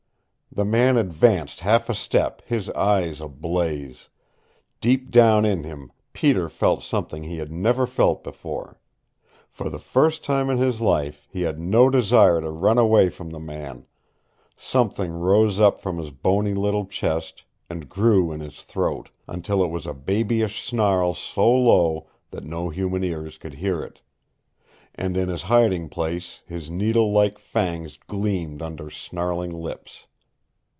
The man advanced half a step, his eye ablaze. Deep down in him Peter felt something he had never felt before. For the first time in his life he had no desire to run away from the man. Something rose up from his bony little chest, and grew in his throat, until it was a babyish snarl so low that no human ears could hear it. And in his hiding place his needle like fangs gleamed under snarling lips.